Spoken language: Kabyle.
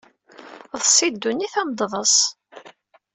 Eḍs i ddunit ad am-d-tḍes.